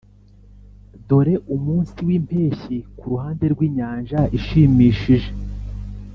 dore umunsi wimpeshyi kuruhande rwinyanja ishimishije!